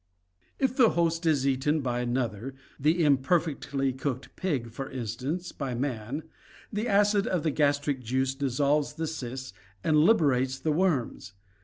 If the host is eaten by another — the imperfectly cooked pig, for instance, by man — the acid of the gastric juice dissolves the cysts and liberates the worms.